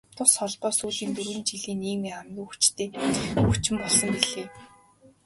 Тус холбоо сүүлийн дөрвөн жилд нийгмийн хамгийн хүчтэй хүчин болсон билээ.